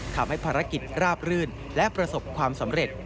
ทำให้ภารกิจราบรื่นและประสบความสำเร็จ